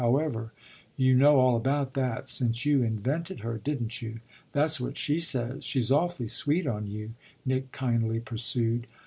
However, you know all about that, since you invented her, didn't you? That's what she says; she's awfully sweet on you," Nick kindly pursued.